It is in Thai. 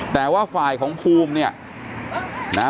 แต่ว่าฝ่ายของภูมิเนี่ยนะฮะ